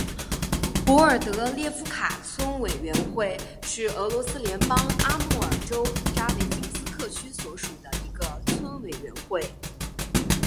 博尔德列夫卡村委员会是俄罗斯联邦阿穆尔州扎维京斯克区所属的一个村委员会。